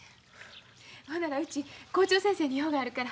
ほんならうち校長先生に用があるから。